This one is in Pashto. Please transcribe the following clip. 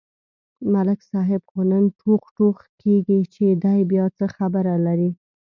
ملک صاحب خو نن ټوغ ټوغ کېږي، چې دی بیا څه خبره لري.